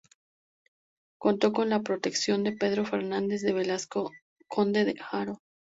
Contó con la protección de Pedro Fernández de Velasco, conde de Haro.